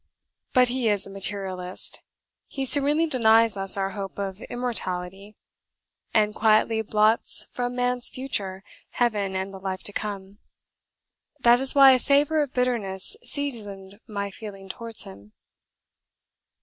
But he is a materialist: he serenely denies us our hope of immortality, and quietly blots from man's future Heaven and the Life to come. That is why a savour of bitterness seasoned my feeling towards him.